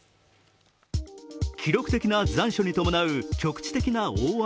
記録的な残暑に伴う局地的な大雨。